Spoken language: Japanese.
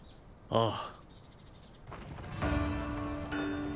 ああ。